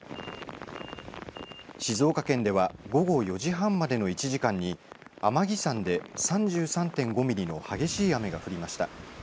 静岡県では午後４時半までの１時間に天城山で３３．５ミリの激しい雨が降りました。